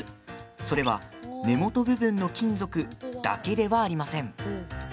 それは、根本部分の金属だけではありません。